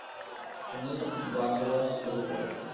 তিনি বাসবাস শুরু করেন।